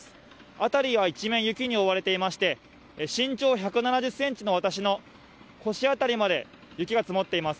辺りは一面雪に覆われていまして身長１７０ｃｍの私の腰辺りまで雪が積もっています。